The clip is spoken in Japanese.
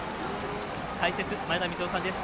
解説、前田三夫さんです。